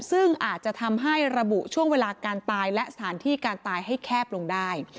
ซึ่งอาจจะทำให้ระบุช่วงเวลาการตายและสถานที่การตายให้แคบลงได้